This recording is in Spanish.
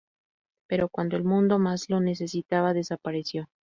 Pero cuando el mundo más lo necesitaba desapareció.